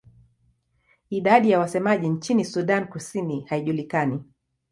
Idadi ya wasemaji nchini Sudan Kusini haijulikani.